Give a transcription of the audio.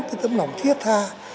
cái tâm lòng thiết tha